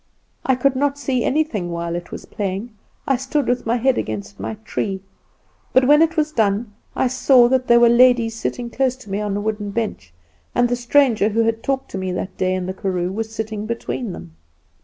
I could not see anything while it was playing; I stood with my head against my tree; but, when it was done, I saw that there were ladies sitting close to me on a wooden bench, and the stranger who had talked to me that day in the karoo was sitting between them.